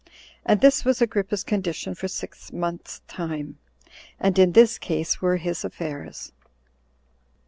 And this was Agrippa's condition for six months' time, and in this case were his affairs.